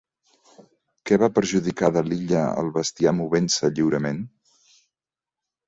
Què va perjudicar de l'illa el bestiar movent-se lliurement?